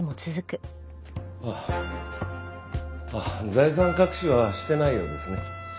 財産隠しはしてないようですね。